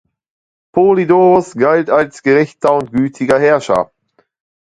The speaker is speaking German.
Polydoros galt als gerechter und gütiger Herrscher.